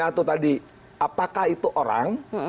di hinato tadi apakah itu orang